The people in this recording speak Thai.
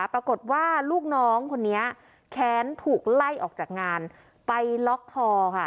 ปรากฏว่าลูกน้องคนนี้แค้นถูกไล่ออกจากงานไปล็อกคอค่ะ